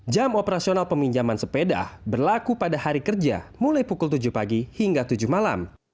jam operasional peminjaman sepeda berlaku pada hari kerja mulai pukul tujuh pagi hingga tujuh malam